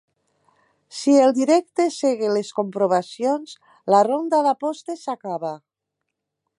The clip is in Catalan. Si el directe cega les comprovacions, la ronda d'apostes s'acaba.